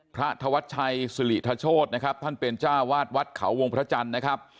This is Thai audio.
พระธวัชชัยสิริธโชธนะครับท่านเป็นจ้าวาดวัดเขาวงพระจันทร์นะครับ